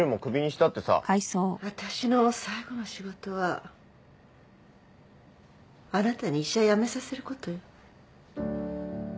私の最後の仕事はあなたに医者辞めさせることよ